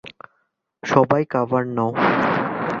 সবাই, কভার নাও!